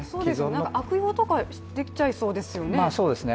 悪用とかできちゃいそうですよね？